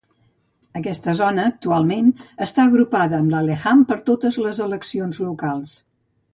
Aquesta zona actualment està agrupada amb Laleham per totes les eleccions locals.